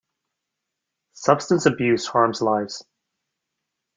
Substance abuse harms lives.